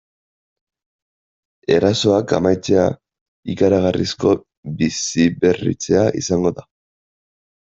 Erasoak amaitzea ikaragarrizko biziberritzea izango da.